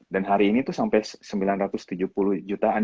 dan hari ini tuh sampai sembilan ratus tujuh puluh jutaan